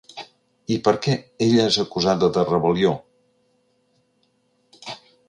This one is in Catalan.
I per què ella és acusada de rebel·lió?